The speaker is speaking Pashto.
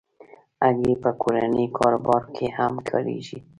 هګۍ په کورني کاروبار کې هم کارېږي.